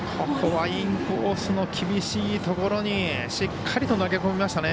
インコースの厳しいところにしっかりと投げ込みましたね。